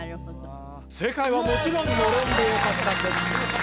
正解はもちろん「暖簾」でよかったんです